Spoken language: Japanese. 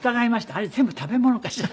あれ全部食べ物かしら？